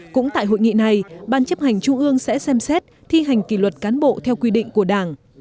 cũng tại hội nghị này ban chấp hành trung ương sẽ xem xét thi hành kỷ luật cán bộ theo quy định của đảng